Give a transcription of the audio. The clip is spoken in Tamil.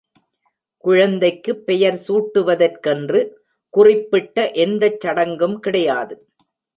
குழந்தைக்குப் பெயர் சூட்டுவதற்கென்று, குறிப்பிட்ட எந்தச் சடங்கும் கிடையாது.